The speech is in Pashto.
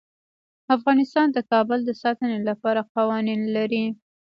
افغانستان د کابل د ساتنې لپاره قوانین لري.